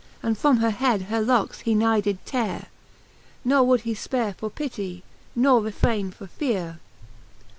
And from her head her lockes he nigh did teare, Ne would he fparefor pitty, nor refraine for feare.